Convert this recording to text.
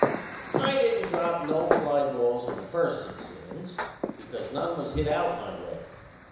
I didn't drop no fly balls in the first six innin's because none was hit out my way.